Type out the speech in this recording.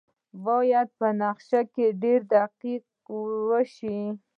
باید په نقشه کې ډیر دقت وشي